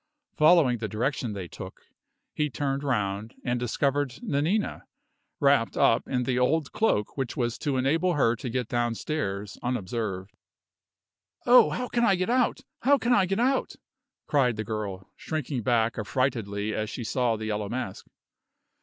Following the direction they took, he turned round, and discovered Nanina, wrapped up in the old cloak which was to enable her to get downstairs unobserved. "Oh, how can I get out? how can I get out?" cried the girl, shrinking back affrightedly as she saw the Yellow Mask.